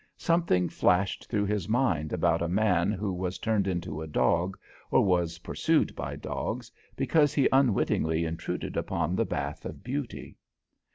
Something flashed through his mind about a man who was turned into a dog, or was pursued by dogs, because he unwittingly intruded upon the bath of beauty.